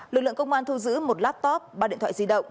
lực lượng công an thu giữ một laptop ba điện thoại di động